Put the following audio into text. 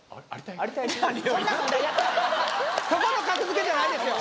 何を言うてそこの格付けじゃないですよ